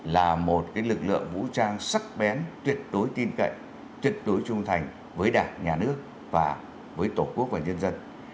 là một lực lượng vũ trang sắc bén tuyệt đối tin cậy tuyệt đối trung thành với đảng nhà nước và với tổ quốc và nhân dân